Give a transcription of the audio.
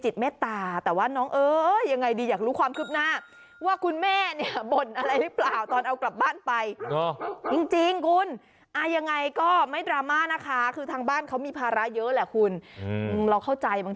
ด้วยความว่าแบบเป็นเด็กลักษณะคุณจริง